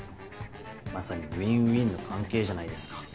まさにウィンウィンの関係じゃないですか